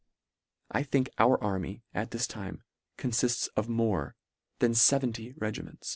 I think our army, at this time, confifts of more than feventy regiments.